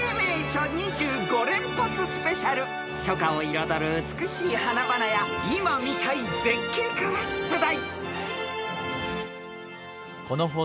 ［初夏を彩る美しい花々や今見たい絶景から出題］